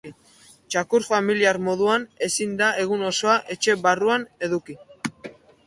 Txakur familiar moduan ezin da egun osoan etxe barruan eduki.